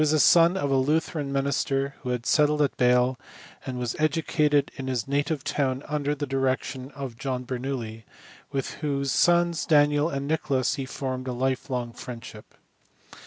He was the son of a Lutheran minister who had settled at Bale, and was educated in his native town under the direction of John Bernoulli, with whose sons Daniel and Nicholas he formed a life long friendship.